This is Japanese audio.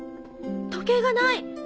時計がない！